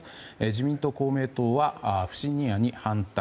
自民党、公明党は不信任案に反対。